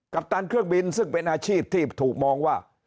ปตันเครื่องบินซึ่งเป็นอาชีพที่ถูกมองว่า